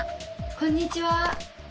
こんにちは。